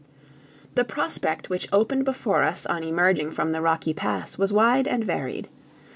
The prospect which opened before us on emerging from the rocky pass was wide and varied.